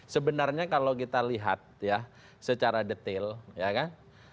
sebenarnya kalau kita lihat ya secara detail ya kan